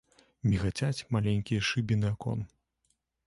Мігацяць маленькія шыбіны акон.